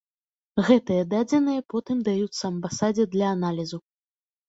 Гэтыя дадзеныя потым даюцца амбасадзе для аналізу.